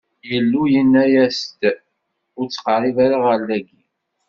Illu yenna-as-d: Ur d-ttqerrib ara ɣer dagi!